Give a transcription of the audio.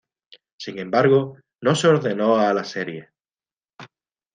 Sin embargo, no se ordenó a la serie.